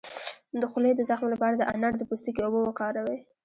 د خولې د زخم لپاره د انار د پوستکي اوبه وکاروئ